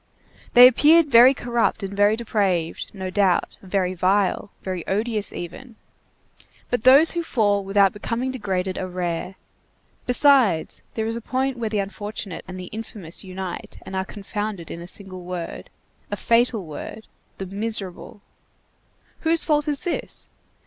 They appeared very corrupt and very depraved, no doubt, very vile, very odious even; but those who fall without becoming degraded are rare; besides, there is a point where the unfortunate and the infamous unite and are confounded in a single word, a fatal word, the miserable; whose fault is this?